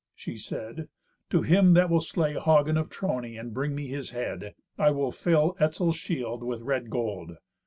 She said, "To him that will slay Hagen of Trony and bring me his head, I will fill Etzel's shield with red gold.